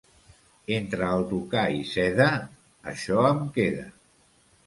Entre alducar i seda, això em queda.